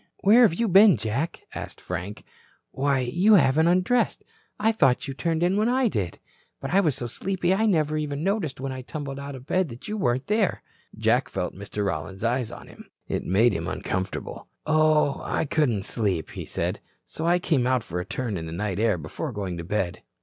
"Where have you been, Jack?" asked Frank. "Why, you haven't undressed. I thought you turned in when I did. But I was so sleepy I never noticed when I tumbled out of bed that you weren't there." Jack felt Mr. Rollins's eyes on him. It made him uncomfortable. "Oh, I couldn't sleep," he said. "So I came out for a turn in the night air before going to bed."